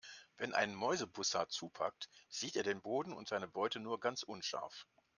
Wenn ein Mäusebussard zupackt, sieht er den Boden und seine Beute nur ganz unscharf.